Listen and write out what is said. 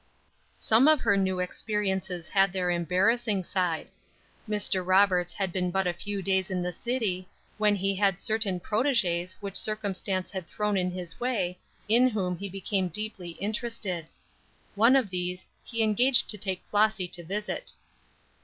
Some of her new experiences had their embarrassing side. Mr. Roberts had been but a few days in the city, when he had certain proteges which circumstance had thrown in his way, in whom he became deeply interested. One of these, he engaged to take Flossy to visit.